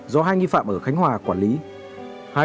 do hai nghi phạm ở khánh hòa quản lý